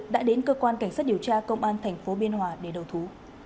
đã đến cơ quan cảnh sát điều tra công an tp biên hòa để đầu thú